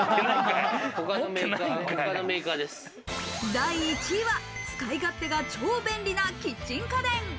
第１位は使い勝手が超便利なキッチン家電。